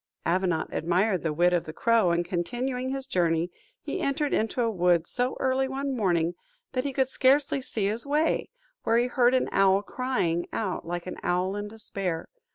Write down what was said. Avenant admired the wit of the crow, and continuing his journey, he entered into a wood so early one morning, that he could scarcely see his way, where he heard an owl crying out like an owl in despair.